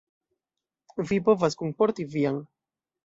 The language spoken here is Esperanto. Vi povas kunporti vian.